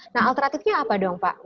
nah alternatifnya apa dong pak